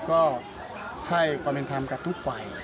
ก็ให้ความเป็นธรรมกับทุกฝ่าย